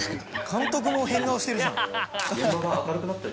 監督も変顔してるじゃん。